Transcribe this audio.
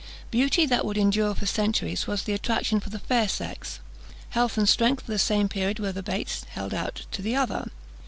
Beauty, that would endure for centuries, was the attraction for the fair sex; health and strength for the same period were the baits held out to the other.